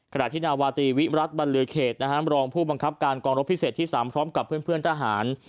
ขณะที่นาวาตรีวิรัติบรรลือเขตรองผู้บังคับการกองรบพิเศษที่๓พร้อมกับเพื่อนทหาร